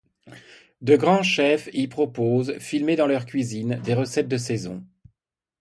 De grands chefs y proposent, filmées dans leurs cuisines, des recettes de saison.